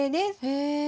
へえ。